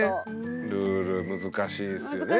ルール難しいですよねこれね。